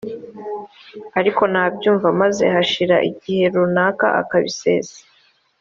ariko nabyumva maze hashira igihe runaka akabisesa